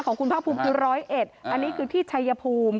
ของคุณภาคภูมิคือ๑๐๑อันนี้คือที่ชัยภูมิ